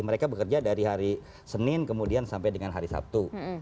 mereka bekerja dari hari senin kemudian sampai dengan hari sabtu